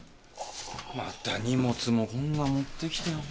また荷物もこんな持ってきて。